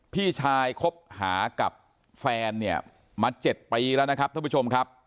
พี่ชายคบหากับแฟนเนี่ยมา๗ปีแล้วนะครับท่านผู้ชมครับ